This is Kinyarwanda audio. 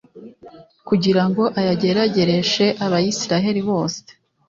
kugira ngo ayageragereshe abayisraheli bose